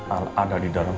al ada di dalam